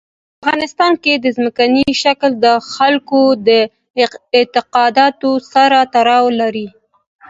په افغانستان کې ځمکنی شکل د خلکو د اعتقاداتو سره تړاو لري.